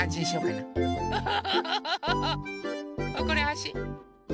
これあし。